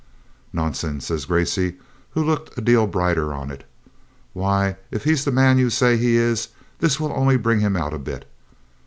'Nonsense,' says Gracey, who looked a deal brighter on it. 'Why, if he's the man you say he is, this will only bring him out a bit.